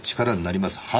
力になります」